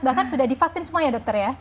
bahkan sudah divaksin semua ya dokter ya